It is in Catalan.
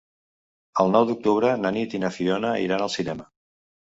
El nou d'octubre na Nit i na Fiona iran al cinema.